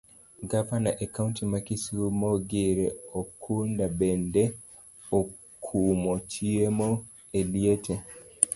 Gavana e kaunti ma kisumu ngire Okumba bende okumo chiemo e liete.